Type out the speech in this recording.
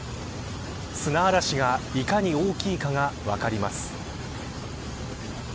砂嵐がいかに大きいかが分かります。